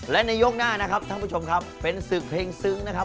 และในยกหน้านะครับท่านผู้ชมครับเป็นศึกเพลงซึ้งนะครับ